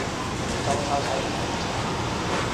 你裝修駛唔駛五十萬？